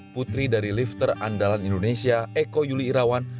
putri dari lifter andalan indonesia eko yuli irawan